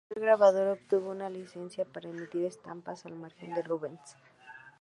Además el grabador obtuvo una licencia para emitir estampas al margen de Rubens.